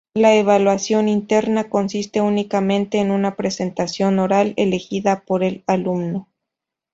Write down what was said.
La evaluación interna consiste únicamente en una presentación oral elegida por el alumno.